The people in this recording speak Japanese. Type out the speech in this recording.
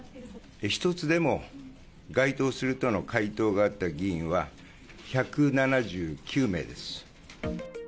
１つでも該当するとの回答があった議員は１７９名です。